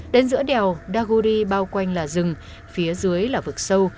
đến giữa đèo daguri bao quanh là rừng phía dưới là vực sâu